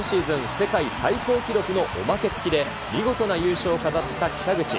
世界最高記録のおまけつきで、見事な優勝を飾った北口。